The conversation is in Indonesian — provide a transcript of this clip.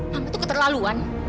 mama tuh keterlaluan